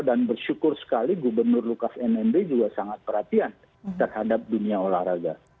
dan bersyukur sekali gubernur lukas nmd juga sangat perhatian terhadap dunia olahraga